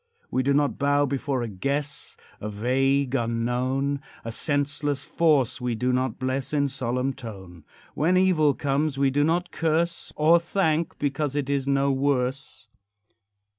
We do not bow before a guess, A vague unknown; A senseless force we do not bless In solemn tone. When evil comes we do not curse, Or thank because it is no worse.